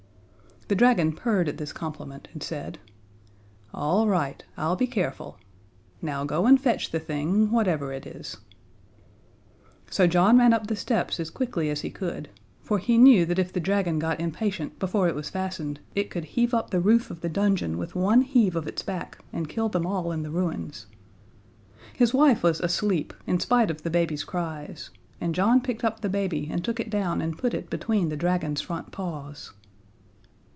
The dragon purred at this compliment and said: "All right, I'll be careful. Now go and fetch the thing, whatever it is." So John ran up the steps as quickly as he could, for he knew that if the dragon got impatient before it was fastened, it could heave up the roof of the dungeon with one heave of its back, and kill them all in the ruins. His wife was asleep, in spite of the baby's cries; and John picked up the baby and took it down and put it between the dragon's front paws.